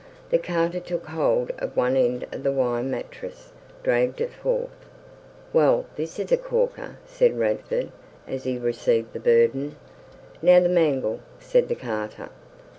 The carter took hold of one end of the wire mattress, dragged it forth. "Well, this is a corker!" said Radford, as he received the burden. "Now the mangle!" said the carter.